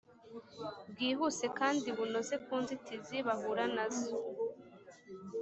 Bwihuse kandi bunoze ku nzitizi bahura nazo